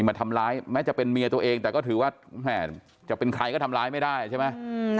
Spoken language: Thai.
มาทำร้ายแม้จะเป็นเมียตัวเองแต่ก็ถือว่าจะเป็นใครก็ทำร้ายไม่ได้ใช่ไหม